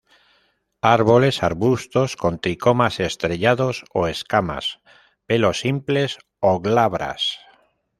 Árboles arbustos, con tricomas estrellados o escamas, pelos simples, o glabras.